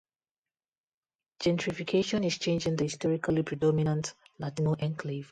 Gentrification is changing the historically predominant Latino enclave.